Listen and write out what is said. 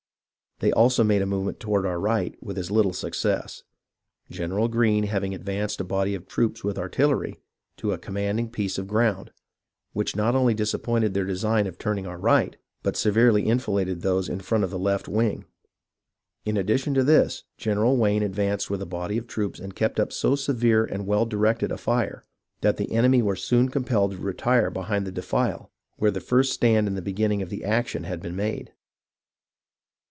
They also made a movement toward our right with as little suc cess ; General Greene having advanced a body of troops with artillery, to a commanding piece of ground, — which not only dis appointed their design of turning our right, but severely infiladed those in front of the left wing. In addition to this. General Wayne advanced with a body of troops and kept up so severe and well directed a fire, that the enemy were soon compelled to retire behind the defile where the first stand in the beginning of the action had been made.